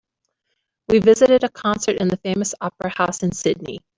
We visited a concert in the famous opera house in Sydney.